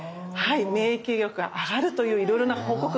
免疫力が上がるといういろいろな報告があります。